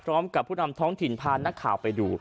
พร้อมกับผู้นำท้องถิ่นพานักข่าวไปดู